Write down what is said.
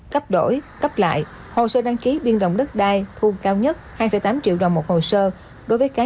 cấp đổi cấp lại hồ sơ đăng ký biên đồng đất đai thu cao nhất hai tám triệu đồng một hồ sơ đối với cá nhân